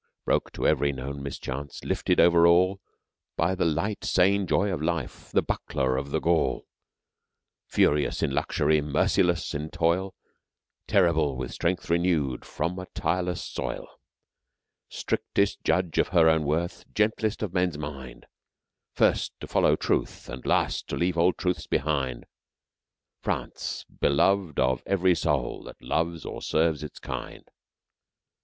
_Broke to every known mischance, lifted over all By the light sane joy of life, the buckler of the Gaul, Furious in luxury, merciless in toil, Terrible with strength renewed from a tireless soil, Strictest judge of her own worth, gentlest of men's mind, First to follow truth and last to leave old truths behind, France beloved of every soul that loves or serves its kind.